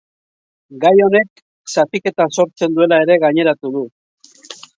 Gai honek zatiketa sortzen duela ere gaineratu du.